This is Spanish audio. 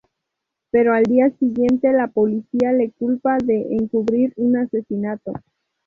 Pero al día siguiente la policía le culpa de encubrir un asesinato.